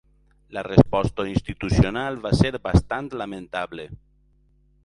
La resposta institucional va ser bastant lamentable.